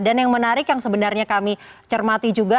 dan yang menarik yang sebenarnya kami cermati juga